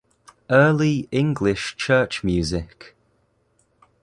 Early English Church Music.